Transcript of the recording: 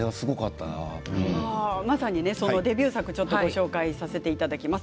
まさにデビュー作ご紹介させていただきます。